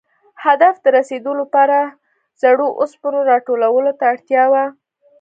هدف ته رسېدو لپاره زړو اوسپنو را ټولولو ته اړتیا وه.